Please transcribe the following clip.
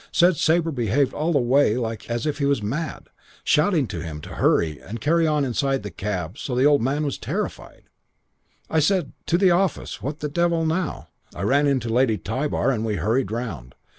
Said Sabre behaved all the way like as if he was mad shouting to him to hurry and carrying on inside the cab so the old man was terrified. "I said, 'To the office! What the devil now?' I ran in to Lady Tybar and we hurried round.